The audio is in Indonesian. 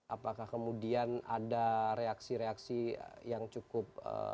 apakah kemudian ada reaksi reaksi yang cukup